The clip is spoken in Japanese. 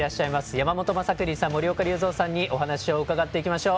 山本昌邦さん、森岡隆三さんにお話を伺います。